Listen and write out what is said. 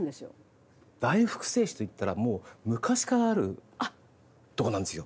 大福製紙といったらもう昔からあるとこなんですよ。